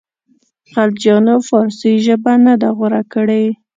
خلجیانو فارسي ژبه نه ده غوره کړې.